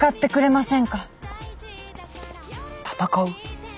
戦う？